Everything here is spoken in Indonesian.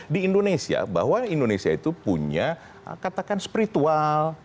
di indonesia bahwa indonesia itu punya katakan spiritual